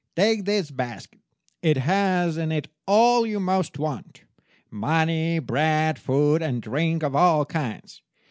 Take this basket. It has in it all you most want—money, bread, food, and drink of all kinds.